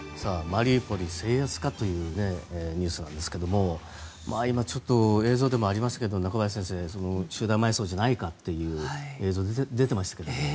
マリウポリ制圧かというニュースなんですけれども今、映像でもありましたが中林先生集団埋葬じゃないかという映像が出てましたが。